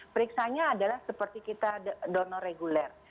periksanya adalah seperti kita donor reguler